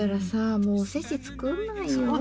もうおせち作んないよウフフ。